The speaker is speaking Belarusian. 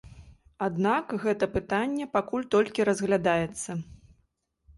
Аднак гэта пытанне пакуль толькі разглядаецца.